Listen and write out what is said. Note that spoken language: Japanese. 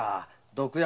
「毒薬」？